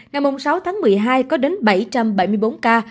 ngày sáu tháng một mươi hai có đến bảy trăm bảy mươi bốn ca